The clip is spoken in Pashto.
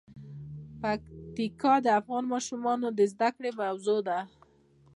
پکتیکا د افغان ماشومانو د زده کړې موضوع ده.